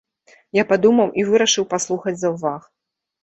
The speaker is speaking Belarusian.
Я падумаў і вырашыў паслухаць заўваг.